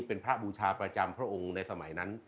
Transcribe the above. เป็นพระบูชาประจำพระองค์ในสมัยนั้น